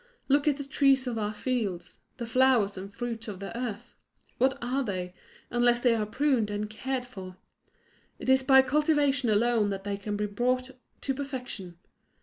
Look at the trees of our fields, the flowers and fruits of the earth what are they, unless they are pruned and cared for? It is by cultivation alone that they can be brought, to perfection.